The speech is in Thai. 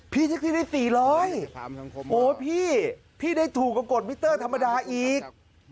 พี่และเลคซี่ได้๔๐๐พี่ได้ถูกกับกดมิเตอร์ธรรมดาอีก